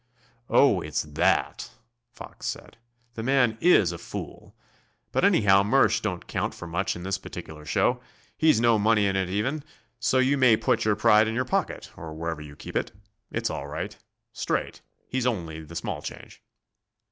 "Oh, it's that," Fox said. "The man is a fool ... But anyhow Mersch don't count for much in this particular show. He's no money in it even, so you may put your pride in your pocket, or wherever you keep it. It's all right. Straight. He's only the small change."